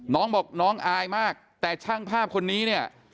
น้องบอกน้องอายมากแต่ช่างภาพคนนี้เนี่ย